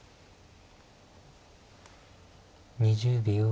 ２０秒。